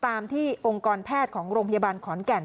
ตามที่องค์กรแพทย์ของโรงพยาบาลขอนแก่น